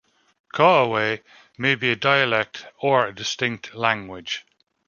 Kawaway may be a dialect or a distinct language.